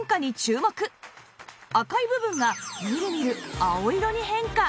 赤い部分がみるみる青色に変化！